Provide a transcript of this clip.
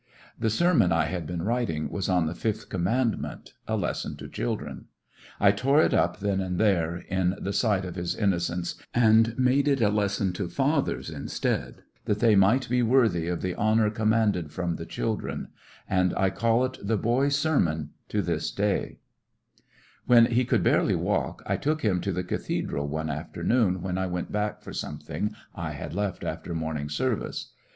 The seimon I had been writing was on the Fifth Commandment, a lesson to children. I tore it up then and there, in the sight of his innocence, and made it a lesson to fathers in stead, that they might be worthy of the honor commanded from the children, and I call it the boy's sermon to this day. 13 UlecoUections of a Seek, and ye When lie could barely walk, I took him to the cathedral one afternoon when I went back for something I had left after morning service.